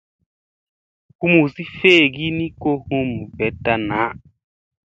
Humusi feegii ni ko hum veɗta naa.